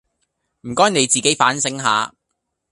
唔該你自己反省下